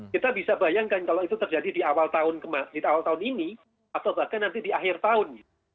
kita bisa bayangkan kalau itu terjadi di awal tahun ini atau bahkan nanti di akhir tahun